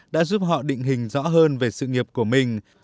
đã giúp họ định hình rõ hơn về sự nghiệp của mình